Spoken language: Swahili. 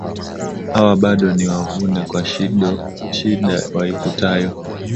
Hawa, bado ni wavune, kwa shida waikutayo